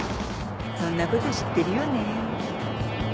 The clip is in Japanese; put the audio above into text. そんなこと知ってるよね？